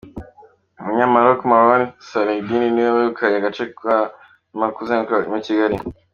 UmunyaMaroc Mraouni Salaeddine niwe wegukanye agace ka nyuma ko kuzenguruka muri Kigali.